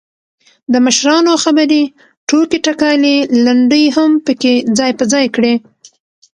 دمشرانو خبرې، ټوکې ټکالې، لنډۍ هم پکې ځاى په ځاى کړي.